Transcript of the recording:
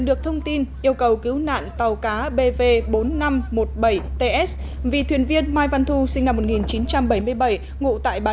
được thông tin yêu cầu cứu nạn tàu cá bv bốn nghìn năm trăm một mươi bảy ts vì thuyền viên mai văn thu sinh năm một nghìn chín trăm bảy mươi bảy ngụ tại